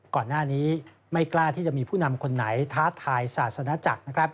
ก่อนหน้านี้ไม่กล้าที่จะมีผู้นำคนไหนท้าทายศาสนาจักร